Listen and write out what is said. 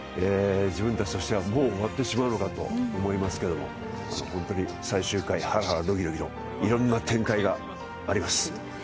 自分たちとしては、もう終わってしまうのかと思いますけれども本当に最終回、ハラハラドキドキのいろいろな展開があります。